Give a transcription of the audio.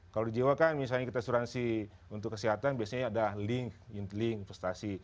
kalau di jawa kan misalnya kita asuransi untuk kesehatan biasanya ada link ink investasi